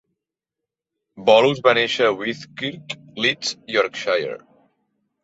Bolus va néixer a Whitkirk, Leeds, Yorkshire.